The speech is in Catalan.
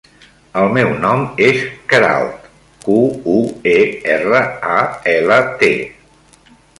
El meu nom és Queralt: cu, u, e, erra, a, ela, te.